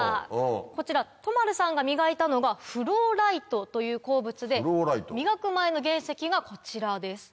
こちら都丸さんが磨いたのが。という鉱物で磨く前の原石がこちらです。